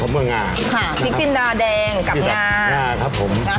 รวนพอสมกับงานพริกจิ้มดาแดงกับมงาน